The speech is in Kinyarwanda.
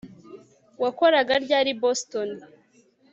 wakoraga ryari i boston